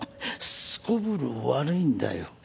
すこぶる悪いんだよ。